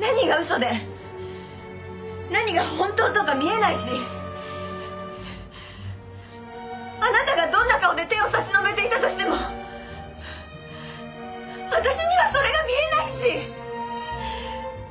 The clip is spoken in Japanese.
何が嘘で何が本当とか見えないしあなたがどんな顔で手を差し伸べていたとしても私にはそれが見えないし。